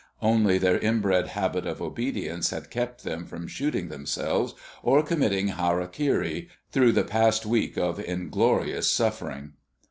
Only their inbred habit of obedience had kept them from shooting themselves or committing hara kiri through the past week of inglorious suffering.